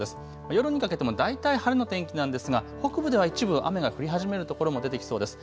夜にかけても大体晴れの天気なんですが北部では一部、雨が降り始めるところも出てきそうです。